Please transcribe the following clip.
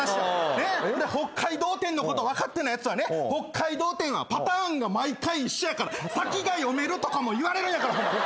で北海道展のこと分かってないやつはね北海道展はパターンが毎回一緒やから先が読めるとかも言われるんやから。